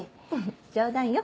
冗談よ